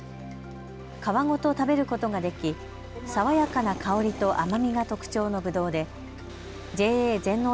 皮ごと食べることができ爽やかな香りと甘みが特徴のぶどうでＪＡ全農